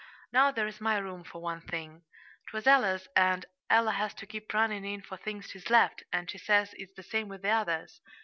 Now, there's my room, for one thing. 'T was Ella's, and Ella has to keep running in for things she's left, and she says it's the same with the others.